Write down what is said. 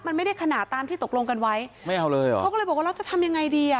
มันไม่ได้ขนาดตามที่ตกลงกันไว้เขาก็เลยบอกว่าเราจะทำยังไงดี